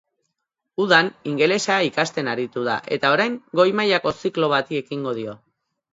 Udan ingelesa ikasten aritu da, eta orain goi-mailako ziklo bati ekingo dio.